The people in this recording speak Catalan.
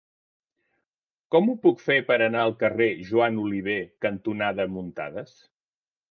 Com ho puc fer per anar al carrer Joan Oliver cantonada Muntadas?